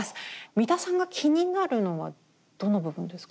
三田さんが気になるのはどの部分ですか？